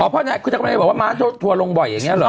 อ๋อเพราะคุณจะมาบอกว่าม้าจัดทัวร์ลงบ่อยอย่างนี้หรือ